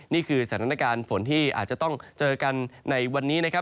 นี่คือสถานการณ์ฝนที่อาจจะต้องเจอกันในวันนี้นะครับ